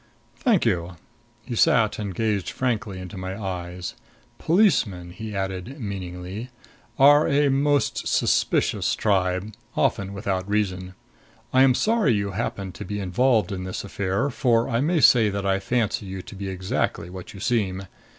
"Thank you." He sat and gazed frankly into my eyes. "Policemen," he added meaningly, "are a most suspicious tribe often without reason. I am sorry you happen to be involved in this affair, for I may say that I fancy you to be exactly what you seem.